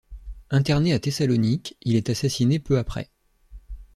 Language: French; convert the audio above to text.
Interné à Thessalonique, il est assassiné peu après.